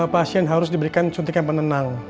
pasien harus diberikan suntikan penenang